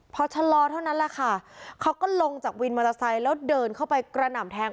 พอชะลอเท่านั้นแหละค่ะเขาก็ลงจากวินมอเตอร์ไซค์แล้วเดินเข้าไปกระหน่ำแทง